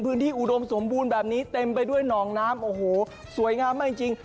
เพิ่งที่อุโดมสมบูรณ์แบบนี้เต็มไปด้วยหนองน้ำโอ้โหสวยงามค่อยจริง